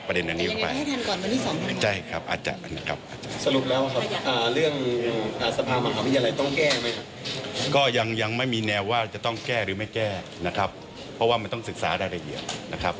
เพราะว่ามันต้องศึกษาได้ละเอียดนะครับ